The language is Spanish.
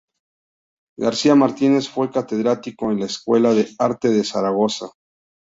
García Martínez fue catedrático en la Escuela de Arte de Zaragoza.